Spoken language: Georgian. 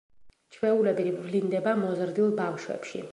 ჩვეულებრივ ვლინდება მოზრდილ ბავშვებში.